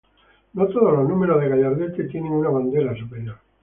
No todos los números de gallardete tienen una bandera superior.